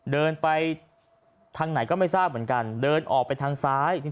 เดินไปทางไหนก็ไม่ทราบเหมือนกันเดินออกไปทางซ้าย